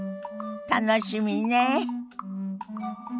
楽しみねえ。